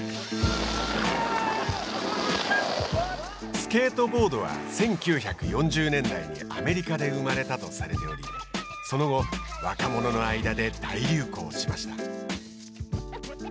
スケートボードは１９４０年代にアメリカで生まれたとされておりその後、若者の間で大流行しました。